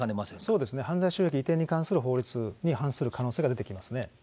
そうですね、犯罪収益移転に関する法律に反する可能性が出てきますね。